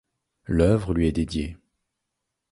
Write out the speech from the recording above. L'œuvre lui est dédiée.